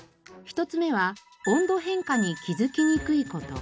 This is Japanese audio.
１つ目は温度変化に気づきにくい事。